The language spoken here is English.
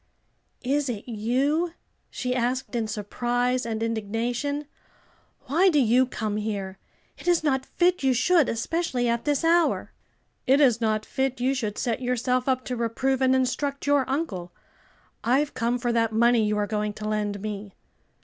"Is it you?" she asked in surprise and indignation. "Why do you come here? it is not fit you should, especially at this hour." "It is not fit you should set yourself up to reprove and instruct your uncle, I've come for that money you are going to lend me."